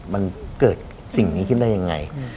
มันเกิดสิ่งนี้ขึ้นได้ยังไง